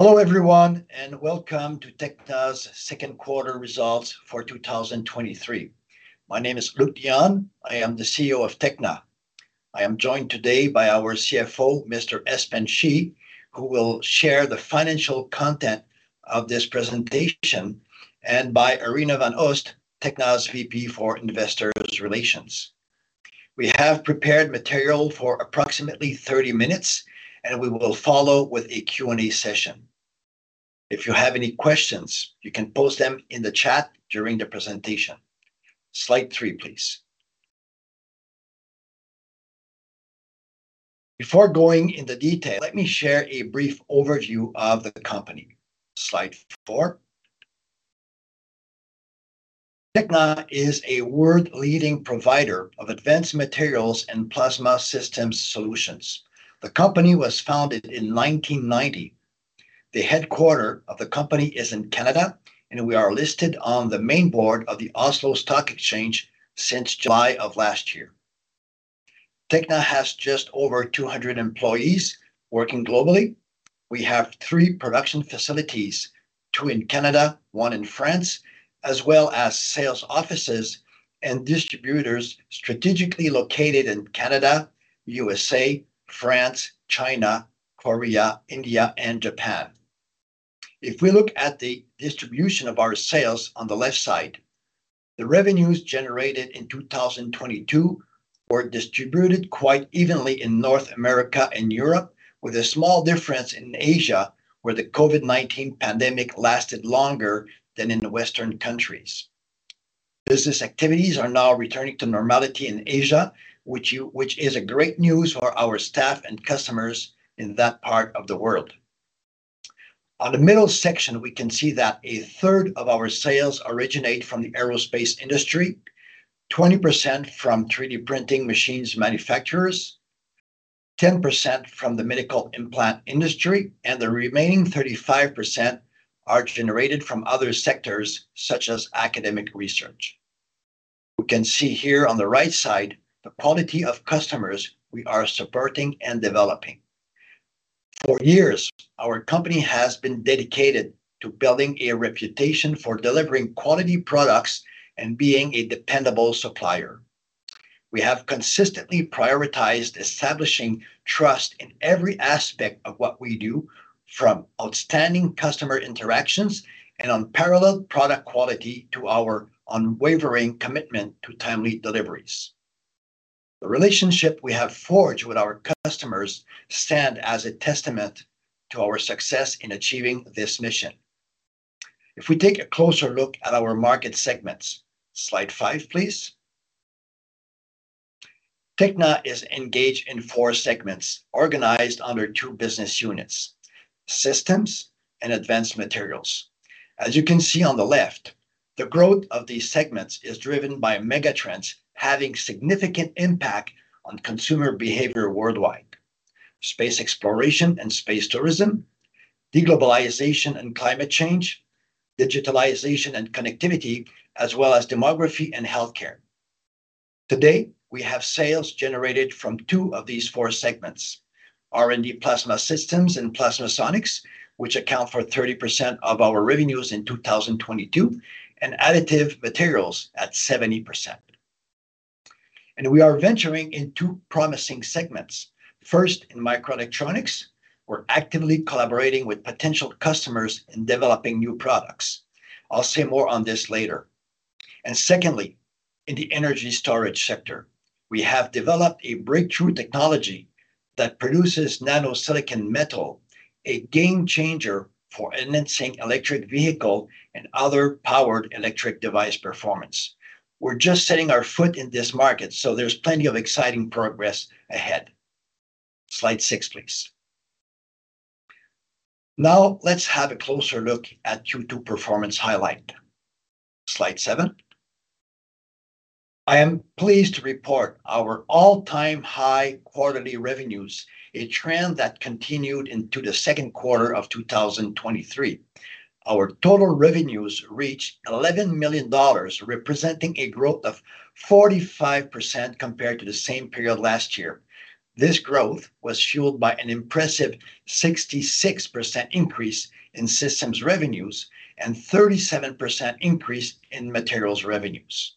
Hello everyone, welcome to Tekna's second quarter results for 2023. My name is Luc Dionne. I am the CEO of Tekna. I am joined today by our CFO, Mr. Espen Schie, who will share the financial content of this presentation, and by Arina Van Oost, Tekna's VP for Investor Relations. We have prepared material for approximately 30 minutes, and we will follow with a Q&A session. If you have any questions, you can post them in the chat during the presentation. Slide 3, please. Before going into detail, let me share a brief overview of the company. Slide 4. Tekna is a world-leading provider of advanced materials and Plasma Systems solutions. The company was founded in 1990. The headquarter of the company is in Canada, and we are listed on the main board of the Oslo Stock Exchange since July of last year. Tekna has just over 200 employees working globally. We have 3 production facilities, 2 in Canada, 1 in France, as well as sales offices and distributors strategically located in Canada, USA, France, China, Korea, India, and Japan. If we look at the distribution of our sales on the left side, the revenues generated in 2022 were distributed quite evenly in North America and Europe, with a small difference in Asia, where the COVID-19 pandemic lasted longer than in the Western countries. Business activities are now returning to normality in Asia, which which is a great news for our staff and customers in that part of the world. On the middle section, we can see that a third of our sales originate from the aerospace industry, 20% from 3D printing machines manufacturers, 10% from the medical implant industry, and the remaining 35% are generated from other sectors, such as academic research. We can see here on the right side, the quality of customers we are supporting and developing. For years, our company has been dedicated to building a reputation for delivering quality products and being a dependable supplier. We have consistently prioritized establishing trust in every aspect of what we do, from outstanding customer interactions and unparalleled product quality to our unwavering commitment to timely deliveries. The relationship we have forged with our customers stand as a testament to our success in achieving this mission. If we take a closer look at our market segments, slide 5, please. Tekna Holding is engaged in four segments, organized under two business units: Systems and Advanced Materials. As you can see on the left, the growth of these segments is driven by mega trends, having significant impact on consumer behavior worldwide: space exploration and space tourism, de-globalization and climate change, digitalization and connectivity, as well as demography and healthcare. Today, we have sales generated from two of these four segments: R&D Plasma Systems and PlasmaSonic, which account for 30% of our revenues in 2022, and Additive Materials at 70%. We are venturing in two promising segments. First, in microelectronics, we're actively collaborating with potential customers in developing new products. I'll say more on this later. Secondly, in the energy storage sector, we have developed a breakthrough technology that produces Silicon nano powder, a game changer for enhancing electric vehicle and other powered electric device performance. We're just setting our foot in this market, so there's plenty of exciting progress ahead. Slide six, please. Let's have a closer look at Q2 performance highlight. Slide seven. I am pleased to report our all-time high quarterly revenues, a trend that continued into the second quarter of 2023. Our total revenues reached $11 million, representing a growth of 45% compared to the same period last year. This growth was fueled by an impressive 66% increase in systems revenues and 37% increase in materials revenues.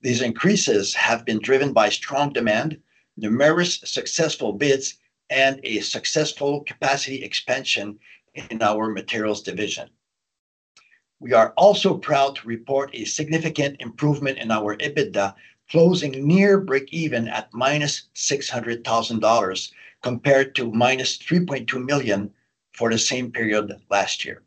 These increases have been driven by strong demand, numerous successful bids, and a successful capacity expansion in our materials division. We are also proud to report a significant improvement in our EBITDA, closing near breakeven at -$600,000, compared to -$3.2 million for the same period last year.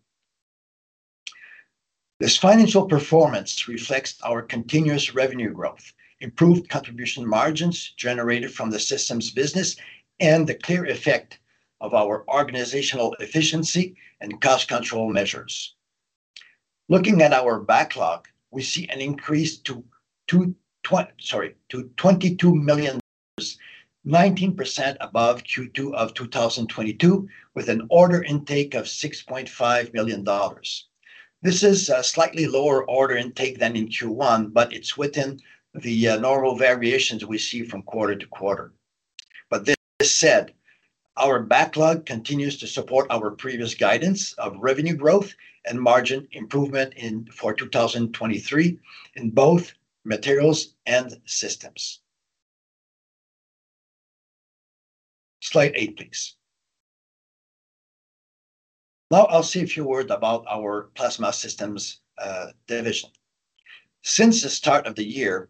This financial performance reflects our continuous revenue growth, improved contribution margins generated from the systems business, and the clear effect of our organizational efficiency and cost control measures. Looking at our backlog, we see an increase to $22 million, 19% above Q2 of 2022, with an order intake of $6.5 million. This is a slightly lower order intake than in Q1, but it's within the normal variations we see from quarter to quarter. This said, our backlog continues to support our previous guidance of revenue growth and margin improvement in, for 2023 in both materials and systems. Slide 8, please. Now I'll say a few words about our Plasma Systems division. Since the start of the year,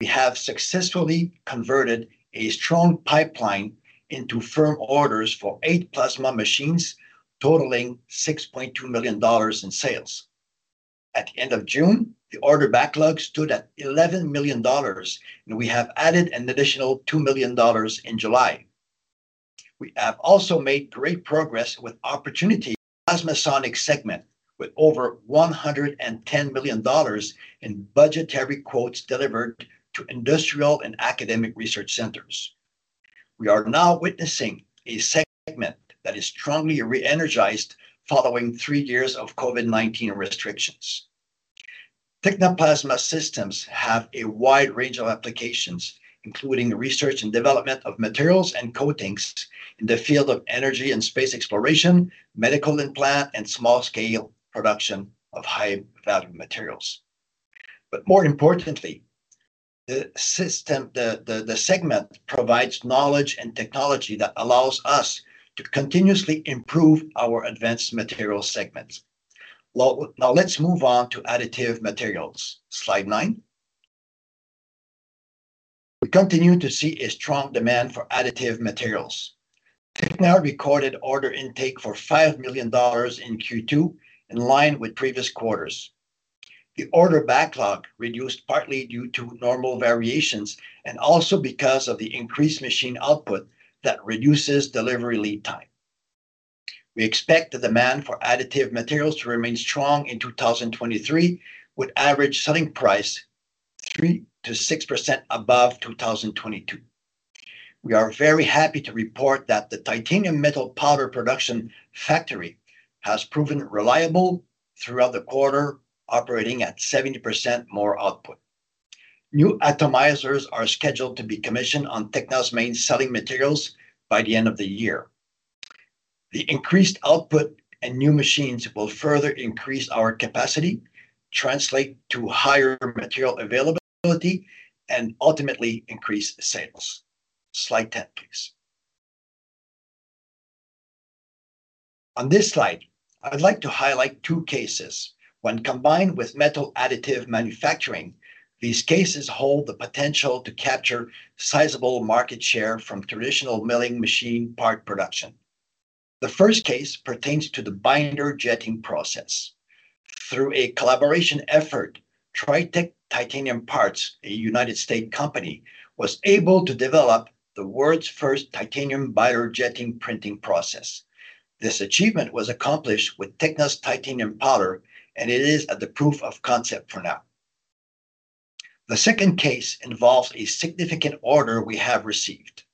we have successfully converted a strong pipeline into firm orders for eight plasma machines, totaling $6.2 million in sales. At the end of June, the order backlog stood at $11 million, and we have added an additional $2 million in July. We have also made great progress with opportunity PlasmaSonic segment, with over $110 million in budgetary quotes delivered to industrial and academic research centers. We are now witnessing a segment that is strongly re-energized following three years of COVID-19 restrictions. Tekna Plasma Systems have a wide range of applications, including research and development of materials and coatings in the field of energy and space exploration, medical implant, and small-scale production of high-value materials. More importantly, the system, the, the, the segment provides knowledge and technology that allows us to continuously improve our Advanced Materials segments. Well, now let's move on to Additive Materials. Slide 9. We continue to see a strong demand for Additive Materials. Tekna recorded order intake for $5 million in Q2, in line with previous quarters. The order backlog reduced partly due to normal variations and also because of the increased machine output that reduces delivery lead time. We expect the demand for Additive Materials to remain strong in 2023, with average selling price 3%-6% above 2022. We are very happy to report that the titanium metal powder production factory has proven reliable throughout the quarter, operating at 70% more output. New atomizers are scheduled to be commissioned on Tekna's main selling materials by the end of the year. The increased output and new machines will further increase our capacity, translate to higher material availability, and ultimately increase sales. Slide 10, please. On this slide, I would like to highlight two cases. When combined with metal additive manufacturing, these cases hold the potential to capture sizable market share from traditional milling machine part production. The first case pertains to the binder jetting process. Through a collaboration effort, TriTech Titanium Parts, a United States company, was able to develop the world's first titanium binder jetting printing process. This achievement was accomplished with Tekna's titanium powder, and it is at the proof of concept for now. The second case involves a significant order we have received.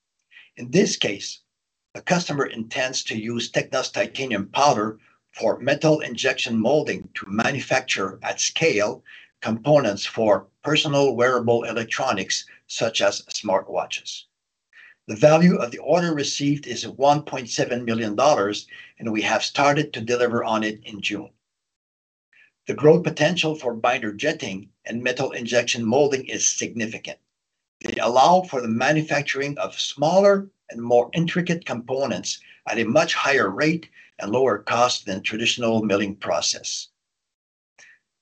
In this case, the customer intends to use Tekna's titanium powder for metal injection molding to manufacture at scale, components for personal wearable electronics, such as smartwatches. The value of the order received is $1.7 million, and we have started to deliver on it in June. The growth potential for binder jetting and metal injection molding is significant. They allow for the manufacturing of smaller and more intricate components at a much higher rate and lower cost than traditional milling process.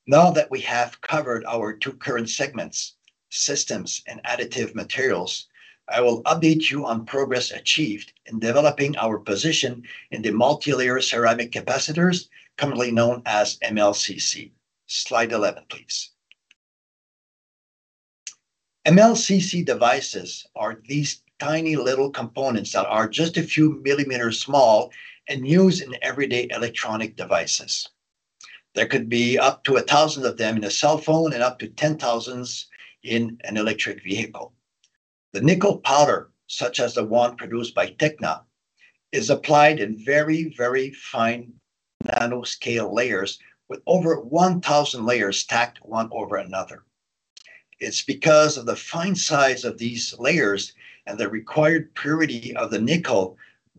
Now that we have covered our two current segments, Systems and Additive Materials, I will update you on progress achieved in developing our position in the multilayer ceramic capacitors, commonly known as MLCC. Slide 11, please. MLCC devices are these tiny little components that are just a few millimeters small and used in everyday electronic devices. There could be up to 1,000 of them in a cell phone and up to 10,000 in an electric vehicle. The nickel powder, such as the one produced by Tekna, is applied in very, very fine nanoscale layers, with over 1,000 layers stacked one over another. It's because of the fine size of these layers and the required purity of the nickel,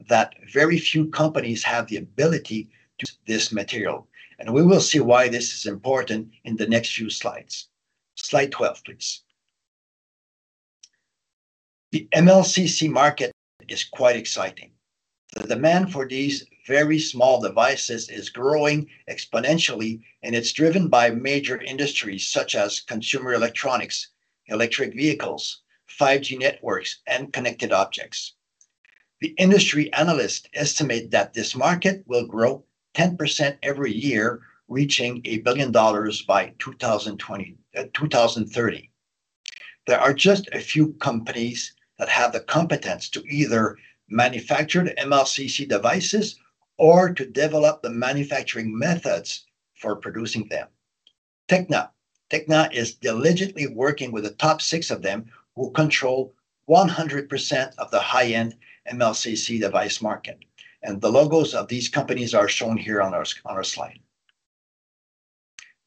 that very few companies have the ability to this material, and we will see why this is important in the next few slides. Slide 12, please. The MLCC market is quite exciting. The demand for these very small devices is growing exponentially, and it's driven by major industries such as consumer electronics, electric vehicles, 5G networks, and connected objects. The industry analysts estimate that this market will grow 10% every year, reaching $1 billion by 2020, 2030. There are just a few companies that have the competence to either manufacture the MLCC devices or to develop the manufacturing methods for producing them. Tekna. Tekna is diligently working with the top six of them, who control 100% of the high-end MLCC device market, and the logos of these companies are shown here on our slide.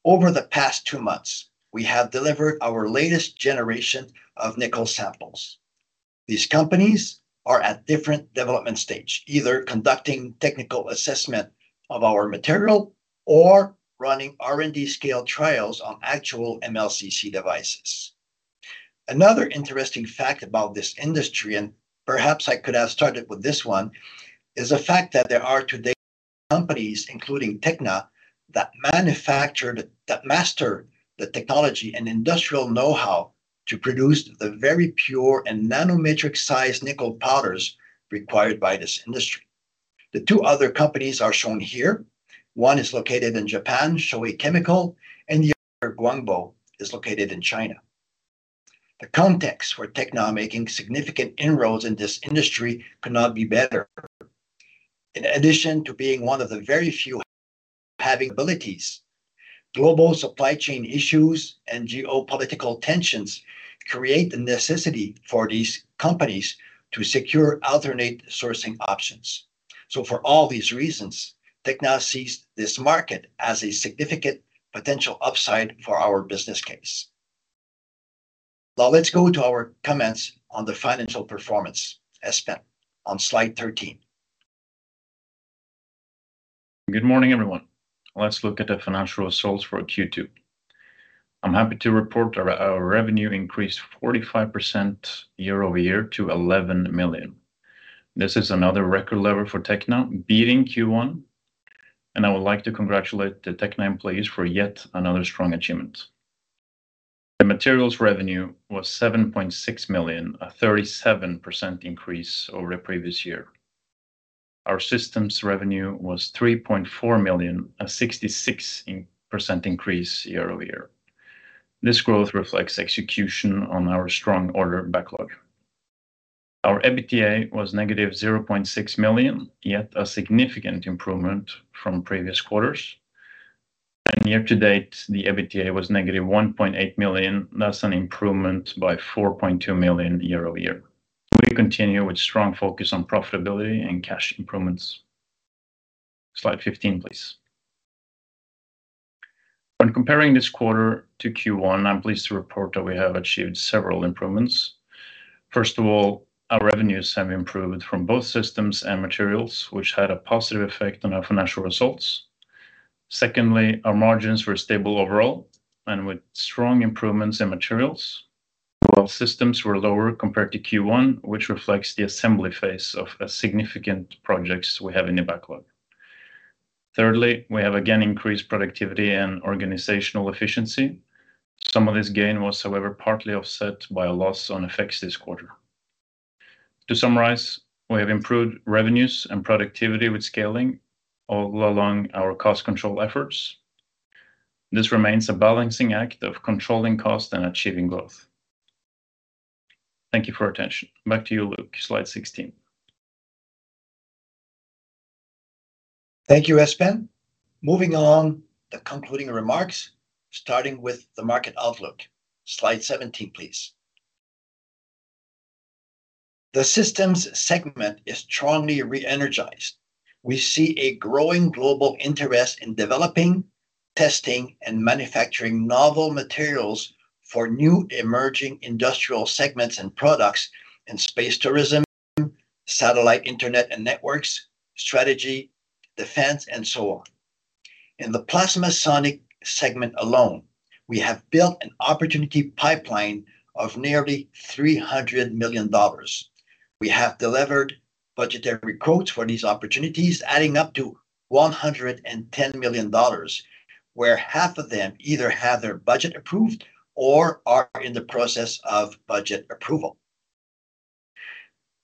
Over the past two months, we have delivered our latest generation of nickel samples. These companies are at different development stage, either conducting technical assessment of our material or running R&D scale trials on actual MLCC devices. Another interesting fact about this industry, and perhaps I could have started with this one, is the fact that there are today companies, including Tekna, that manufacture, that master the technology and industrial know-how to produce the very pure and nanometric-sized nickel powders required by this industry. The two other companies are shown here. One is located in Japan, Showa Chemical, and the other, Guangbo, is located in China. The context for Tekna making significant inroads in this industry could not be better. In addition to being one of the very few having abilities, global supply chain issues and geopolitical tensions create the necessity for these companies to secure alternate sourcing options. For all these reasons, Tekna sees this market as a significant potential upside for our business case. Let's go to our comments on the financial performance, Espen, on slide 13. Good morning, everyone. Let's look at the financial results for Q2. I'm happy to report that our, our revenue increased 45% year-over-year to 11 million. This is another record level for Tekna, beating Q1, and I would like to congratulate the Tekna employees for yet another strong achievement. The materials revenue was 7.6 million, a 37% increase over the previous year. Our systems revenue was 3.4 million, a 66% increase year-over-year. This growth reflects execution on our strong order backlog. Our EBITDA was negative 0.6 million, yet a significant improvement from previous quarters. Year to date, the EBITDA was negative 1.8 million. That's an improvement by 4.2 million year-over-year. We continue with strong focus on profitability and cash improvements. Slide 15, please. When comparing this quarter to Q1, I'm pleased to report that we have achieved several improvements. First of all, our revenues have improved from both systems and materials, which had a positive effect on our financial results. Secondly, our margins were stable overall and with strong improvements in materials, while systems were lower compared to Q1, which reflects the assembly phase of a significant projects we have in the backlog. Thirdly, we have again increased productivity and organizational efficiency. Some of this gain was, however, partly offset by a loss on effects this quarter. To summarize, we have improved revenues and productivity with scaling all along our cost control efforts. This remains a balancing act of controlling cost and achieving growth. Thank you for your attention. Back to you, Luc. Slide 16. Thank you, Espen. Moving along, the concluding remarks, starting with the market outlook. Slide 17, please. The systems segment is strongly re-energized. We see a growing global interest in developing, testing, and manufacturing novel materials for new emerging industrial segments and products in space tourism, satellite internet, and networks, strategy, defense, and so on. In the PlasmaSonic segment alone, we have built an opportunity pipeline of nearly $300 million. We have delivered budgetary quotes for these opportunities, adding up to $110 million, where half of them either have their budget approved or are in the process of budget approval.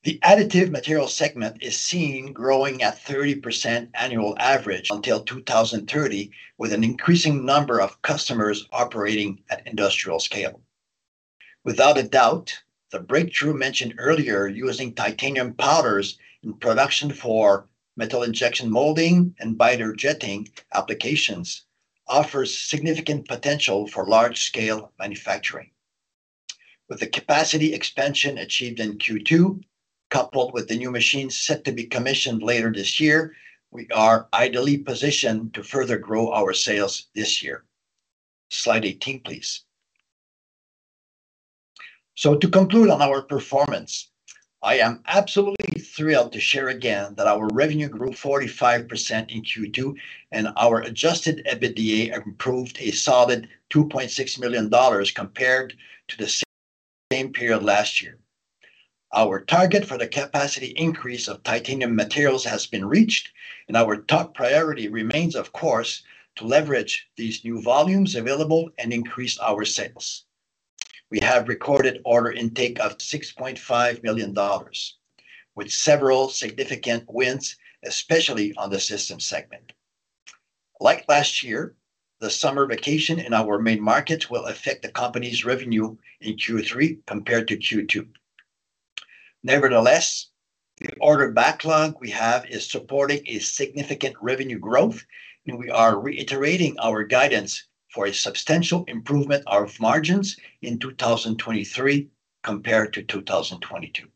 The Additive Materials segment is seen growing at 30% annual average until 2030, with an increasing number of customers operating at industrial scale. Without a doubt, the breakthrough mentioned earlier, using titanium powders in production for metal injection molding and binder jetting applications, offers significant potential for large-scale manufacturing. With the capacity expansion achieved in Q2, coupled with the new machines set to be commissioned later this year, we are ideally positioned to further grow our sales this year. Slide 18, please. To conclude on our performance, I am absolutely thrilled to share again that our revenue grew 45% in Q2, and our adjusted EBITDA improved a solid $2.6 million compared to the same period last year. Our target for the capacity increase of titanium materials has been reached, and our top priority remains, of course, to leverage these new volumes available and increase our sales. We have recorded order intake of $6.5 million, with several significant wins, especially on the system segment. Like last year, the summer vacation in our main markets will affect the company's revenue in Q3 compared to Q2. Nevertheless, the order backlog we have is supporting a significant revenue growth, and we are reiterating our guidance for a substantial improvement of margins in 2023 compared to 2022....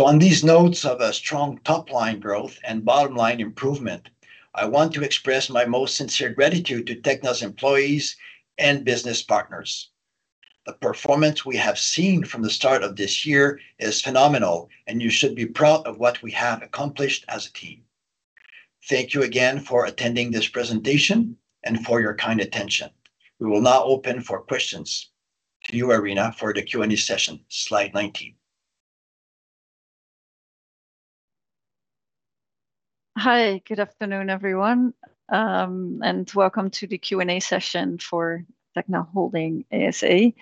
On these notes of a strong top line growth and bottom line improvement, I want to express my most sincere gratitude to Tekna's employees and business partners. The performance we have seen from the start of this year is phenomenal, and you should be proud of what we have accomplished as a team. Thank you again for attending this presentation and for your kind attention. We will now open for questions. To you, Arina, for the Q&A session. Slide 19. Hi, good afternoon, everyone, welcome to the Q&A session for Tekna Holding ASA.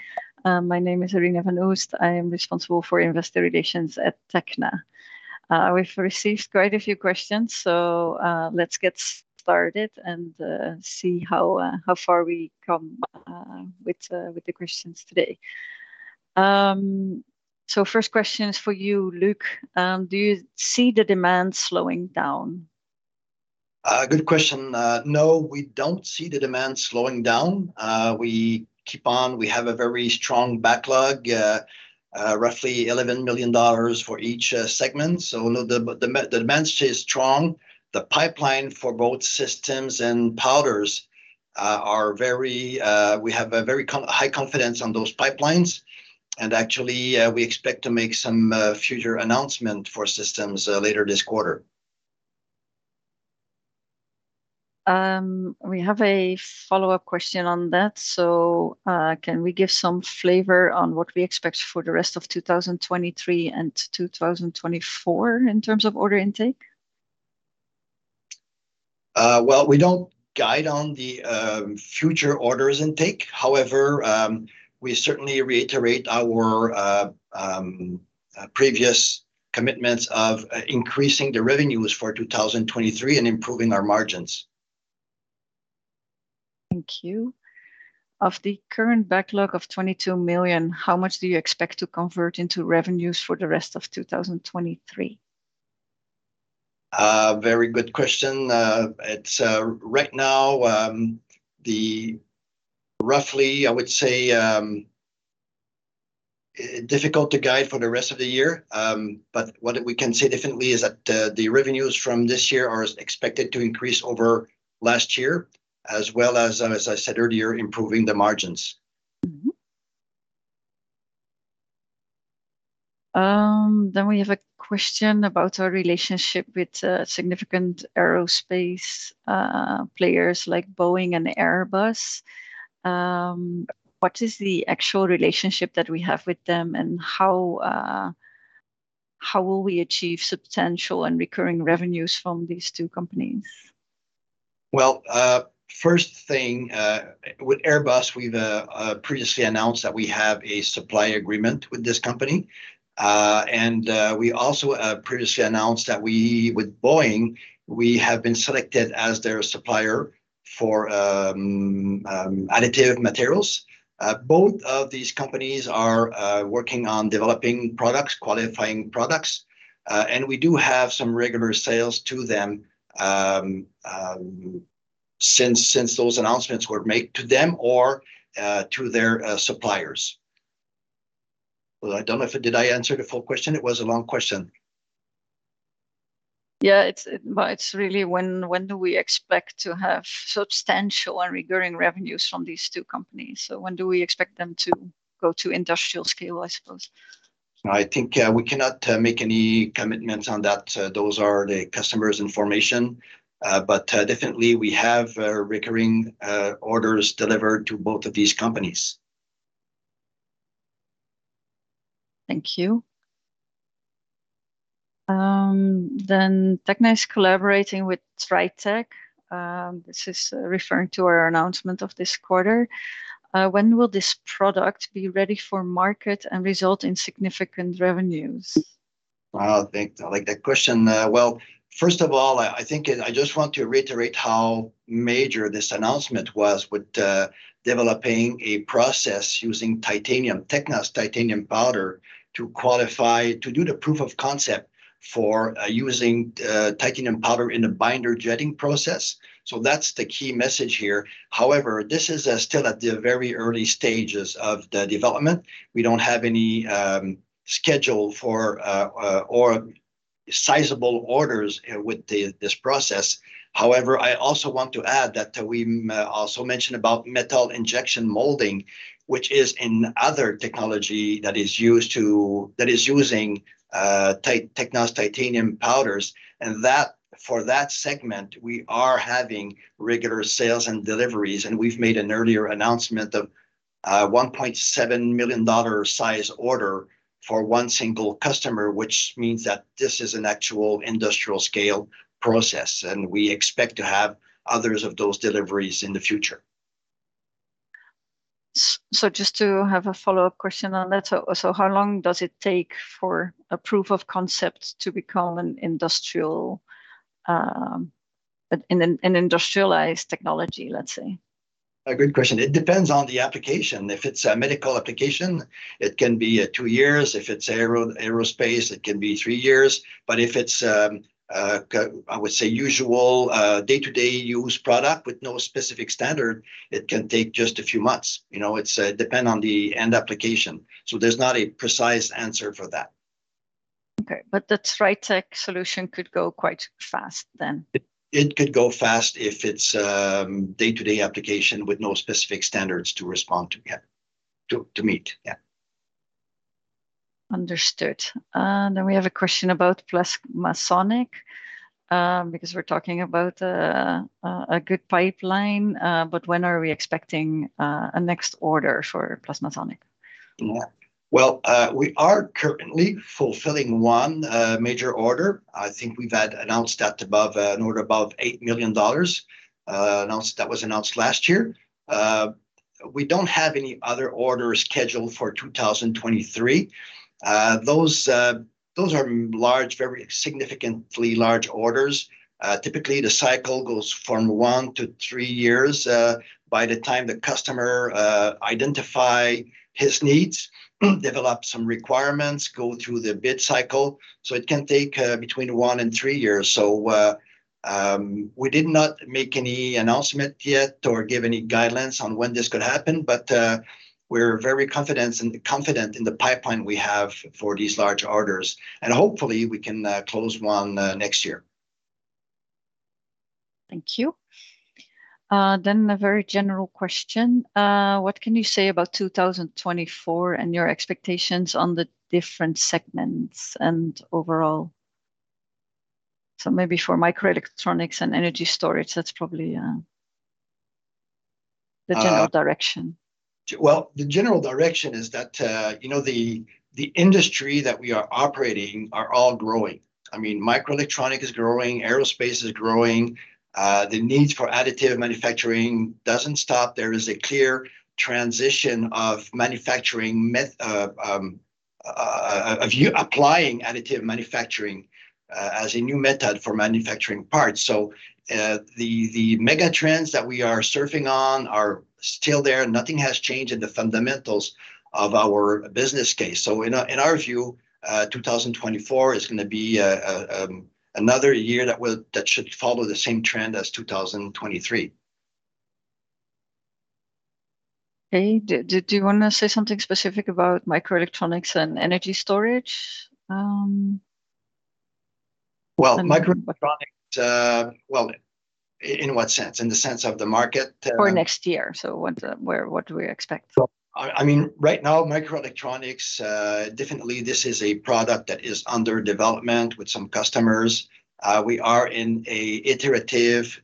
My name is Arina Van Oost. I am responsible for investor relations at Tekna. We've received quite a few questions, let's get started and see how far we come with the questions today. First question is for you, Luc. Do you see the demand slowing down? Good question. No, we don't see the demand slowing down. We keep we have a very strong backlog, roughly $11 million for each segment. No, the demand stay strong. The pipeline for both systems and powders are very, we have a very high confidence on those pipelines, and actually, we expect to make some future announcement for systems later this quarter. We have a follow-up question on that. Can we give some flavor on what we expect for the rest of 2023 and 2024 in terms of order intake? Well, we don't guide on the future orders intake. However, we certainly reiterate our previous commitments of increasing the revenues for 2023 and improving our margins. Thank you. Of the current backlog of 22 million, how much do you expect to convert into revenues for the rest of 2023? Very good question. It's right now, roughly, I would say, difficult to guide for the rest of the year, but what we can say definitely is that the revenues from this year are expected to increase over last year, as well as, as I said earlier, improving the margins. We have a question about our relationship with significant aerospace players like Boeing and Airbus. What is the actual relationship that we have with them, and how will we achieve substantial and recurring revenues from these two companies? Well, first thing, with Airbus, we've previously announced that we have a supply agreement with this company. We also previously announced that we, with Boeing, we have been selected as their supplier for Additive Materials. Both of these companies are working on developing products, qualifying products, and we do have some regular sales to them since those announcements were made to them or to their suppliers. Well, I don't know if... Did I answer the full question? It was a long question. Yeah, it's, but it's really when, when do we expect to have substantial and recurring revenues from these two companies? When do we expect them to go to industrial scale, I suppose? I think, we cannot make any commitments on that. Those are the customers' information, but definitely we have recurring orders delivered to both of these companies. Thank you. Tekna is collaborating with TriTech. This is referring to our announcement of this quarter. When will this product be ready for market and result in significant revenues? Wow, thank- I like that question. Well, I think I just want to reiterate how major this announcement was with developing a process using titanium, Tekna's titanium powder, to qualify- to do the proof of concept for using titanium powder in a binder jetting process. That's the key message here. However, this is still at the very early stages of the development. We don't have any schedule for or sizable orders with the, this process. I also want to add that we also mentioned about metal injection molding, which is another technology that is used to that is using Tekna's titanium powders, and that, for that segment, we are having regular sales and deliveries. We've made an earlier announcement of a $1.7 million size order for one single customer, which means that this is an actual industrial-scale process, and we expect to have others of those deliveries in the future. Just to have a follow-up question on that. So how long does it take for a proof of concept to become an industrial, an industrialized technology, let's say? A great question. It depends on the application. If it's a medical application, it can be 2 years. If it's aerospace, it can be 3 years. If it's, I would say usual, day-to-day use product with no specific standard, it can take just a few months. You know, it's depend on the end application, so there's not a precise answer for that. Okay, the Tri-Tech solution could go quite fast then? It could go fast if it's day-to-day application with no specific standards to respond to, to meet. Understood. We have a question about PlasmaSonic, because we're talking about a good pipeline, but when are we expecting a next order for PlasmaSonic? Well, we are currently fulfilling one major order. I think we've had announced that above, an order above $8 million, announced, that was announced last year. We don't have any other orders scheduled for 2023. Those, those are large, very significantly large orders. Typically, the cycle goes from one to three years, by the time the customer, identify his needs, develop some requirements, go through the bid cycle, so it can take, between one and three years. We did not make any announcement yet or give any guidelines on when this could happen, but we're very confidence in- confident in the pipeline we have for these large orders, and hopefully, we can, close one, next year. Thank you. A very general question: What can you say about 2024 and your expectations on the different segments and overall? Maybe for microelectronics and energy storage, that's probably the general direction. Well, the general direction is that, you know, the, the industry that we are operating are all growing. I mean, microelectronic is growing, aerospace is growing. The needs for additive manufacturing doesn't stop. There is a clear transition of manufacturing meth-- of you applying additive manufacturing as a new method for manufacturing parts. The, the mega trends that we are surfing on are still there. Nothing has changed in the fundamentals of our business case. In our, in our view, 2024 is going to be, another year that will- that should follow the same trend as 2023. Okay. Do, do, do you want to say something specific about microelectronics and energy storage? Well, microelectronics- And- Well, in what sense? In the sense of the market? For next year. What, where, what do we expect? I mean, right now, microelectronics, definitely this is a product that is under development with some customers. We are in a iterative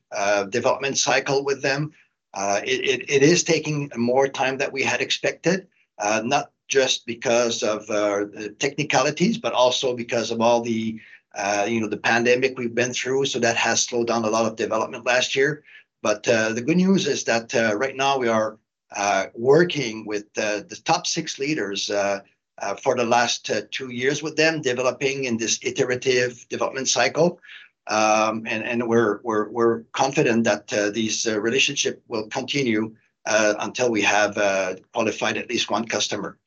development cycle with them. It is taking more time than we had expected, not just because of technicalities, but also because of all the, you know, the pandemic we've been through. That has slowed down a lot of development last year. The good news is that right now we are working with the top six leaders for the last two years with them, developing in this iterative development cycle. We're confident that this relationship will continue until we have qualified at least one customer.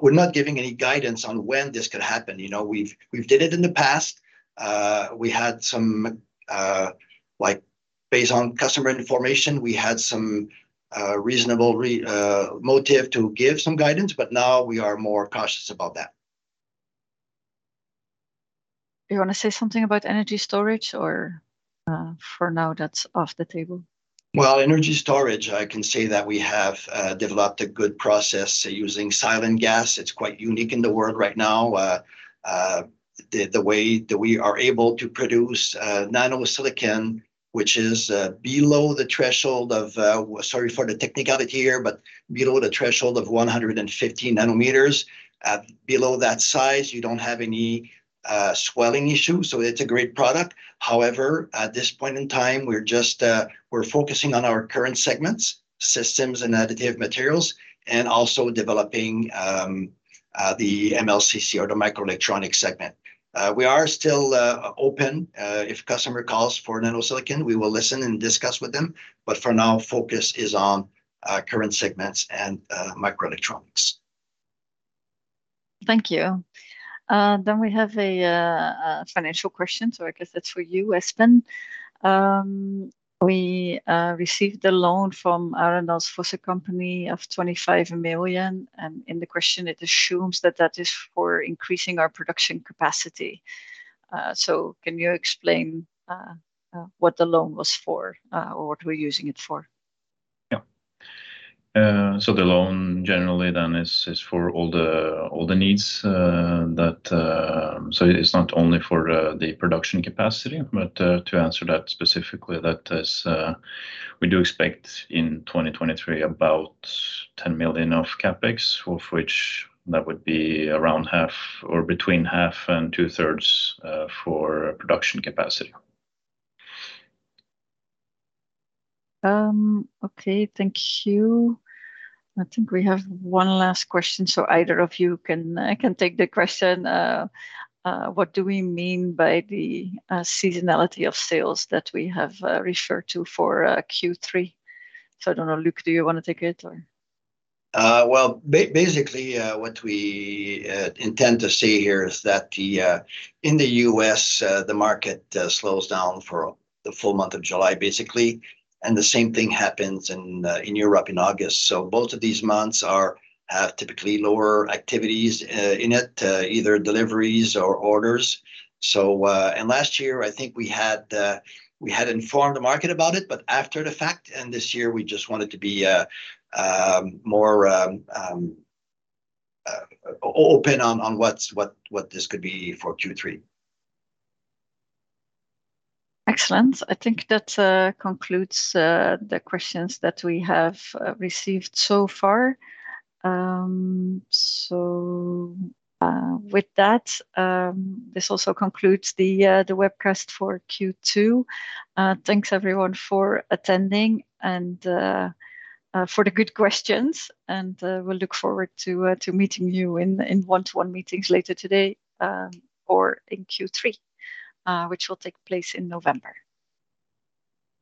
We're not giving any guidance on when this could happen. You know, we've, we've did it in the past. We had some... Like, based on customer information, we had some reasonable motive to give some guidance, but now we are more cautious about that. Do you want to say something about energy storage, or, for now, that's off the table? Well, energy storage, I can say that we have developed a good process using silane gas. It's quite unique in the world right now. The way that we are able to produce Nanosilicon, which is below the threshold of, sorry for the technicality here, but below the threshold of 150 nanometers. At below that size, you don't have any swelling issue, so it's a great product. However, at this point in time, we're just, we're focusing on our current segments, systems and Additive Materials, and also developing the MLCC or the microelectronic segment. We are still open. If customer calls for Nanosilicon, we will listen and discuss with them, but for now, focus is on current segments and microelectronics. Thank you. We have a financial question, so I guess that's for you, Espen. We received a loan from Arendals Fossekompani of 25 million, and in the question, it assumes that that is for increasing our production capacity. Can you explain what the loan was for, or what we're using it for? Yeah. The loan generally then is, is for all the, all the needs, it's not only for the production capacity, but to answer that specifically, that is, we do expect in 2023 about 10 million of CapEx, of which that would be around half or between half and two-thirds, for production capacity. Okay. Thank you. I think we have one last question, either of you can take the question. What do we mean by the seasonality of sales that we have referred to for Q3? I don't know, Luc, do you want to take it or? Well, basically, what we intend to say here is that the in the U.S., the market slows down for the full month of July, basically, and the same thing happens in Europe in August. Both of these months are typically lower activities in it, either deliveries or orders. And last year, I think we had we had informed the market about it, but after the fact, and this year we just wanted to be more open on what's, what, what this could be for Q3. Excellent. I think that concludes the questions that we have received so far. With that, this also concludes the webcast for Q2. Thanks, everyone, for attending and for the good questions, and we'll look forward to meeting you in one-to-one meetings later today, or in Q3, which will take place in November.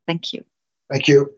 Thank you. Thank you.